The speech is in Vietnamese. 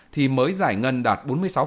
thì mới giải ngân đạt bốn mươi sáu